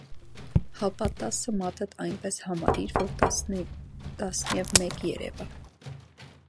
- Հապա տասը մատդ այնպես համարիր, որ տասնևմեկ երևա: